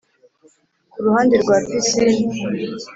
kuruhande rwa pisine